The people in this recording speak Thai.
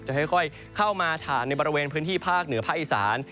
ค่อยเข้ามาผ่านในบริเวณพื้นที่ภาคเหนือภาคอีสาน